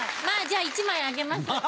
まぁじゃあ１枚あげます。